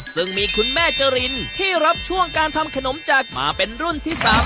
ซึ่งมีคุณแม่จรินที่รับช่วงการทำขนมจากมาเป็นรุ่นที่๓